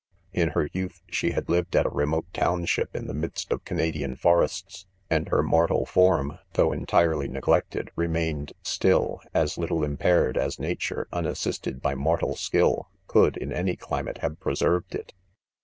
: In her youth she had lived at a remote ."township," in the midst of Canadian forests ; and her mortal form, taough entirely neglected, remained still, as little impaired as nature, unassisted by mortal skill, could, in any climate, have preserved it.